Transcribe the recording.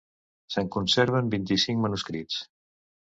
Se'n conserven vint-i-cinc manuscrits.